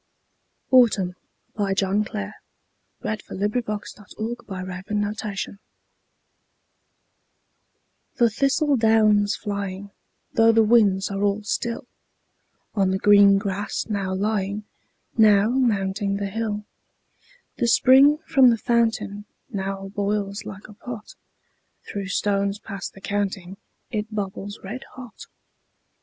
n early home, With yellow breast and head of solid gold. Autumn The thistle down's flying, though the winds are all still, On the green grass now lying, now mounting the hill, The spring from the fountain now boils like a pot; Through stones past the counting it bubbles red hot.